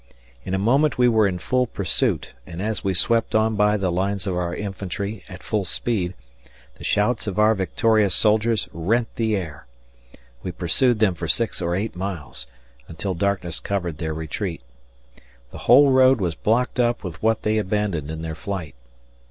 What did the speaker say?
In a moment we were in full pursuit, and as we swept on by the lines of our infantry, at full speed, the shouts of our victorious soldiers rent the air. We pursued them for six or eight miles, until darkness covered their retreat. The whole road was blocked up with what they abandoned in their flight.